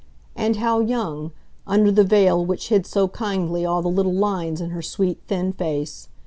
And how young—under the veil which hid so kindly all the little lines in her sweet, thin face.